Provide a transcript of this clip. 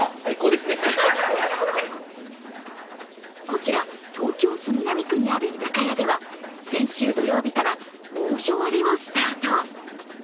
こちら、東京・杉並区にある居酒屋では先週土曜日から猛暑割をスタート。